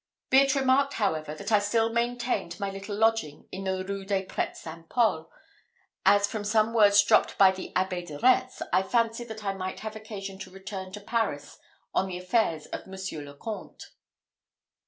Be it remarked, however, that I still maintained my little lodging in the Rue des Prêtres Saint Paul, as from some words dropped by the Abbé de Retz, I fancied that I might have occasion to return to Paris on the affairs of Monsieur le Comte.